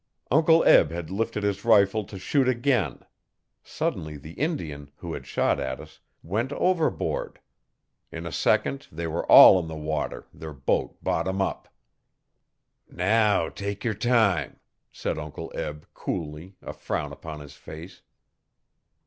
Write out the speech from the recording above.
Uncle Eb had lifted his rifle to shoot again. Suddenly the Indian, who had shot at us, went overboard. In a second they were all in the water, their boat bottom up. 'Now take yer time,' said Uncle Eb coolly, a frown upon his face.